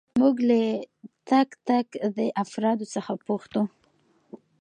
موږ له تک تک دې افرادو څخه پوښتو.